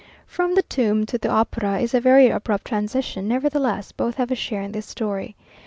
From the tomb to the opera is a very abrupt transition; nevertheless, both have a share in this story.